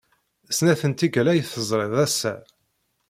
Snat n tikkal ay t-ẓriɣ ass-a.